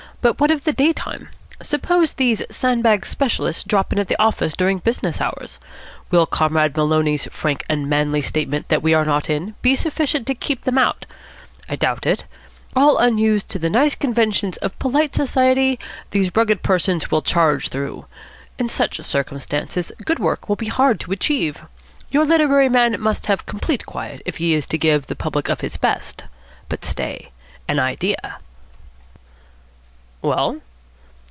But what of the day time? Suppose these sandbag specialists drop in at the office during business hours. Will Comrade Maloney's frank and manly statement that we are not in be sufficient to keep them out? I doubt it. All unused to the nice conventions of polite society, these rugged persons will charge through. In such circumstances good work will be hard to achieve. Your literary man must have complete quiet if he is to give the public of his best. But stay. An idea!" "Well?"